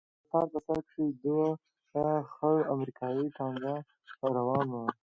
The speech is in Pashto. د کتار په سر کښې دوه خړ امريکايي ټانگان روان وو.